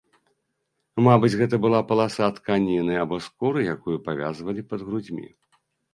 Мабыць, гэта была паласа тканіны або скуры, якую павязвалі пад грудзьмі.